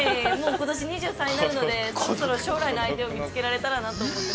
ことしもう２３になるので、将来の相手を見つけられたらなと思っています。